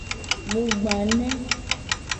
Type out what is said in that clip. Mu gba ne.